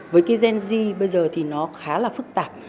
với cái gen z bây giờ thì nó khá là phức tạp